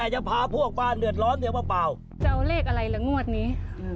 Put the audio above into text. จะเอาเลขอะไรละงวดนี้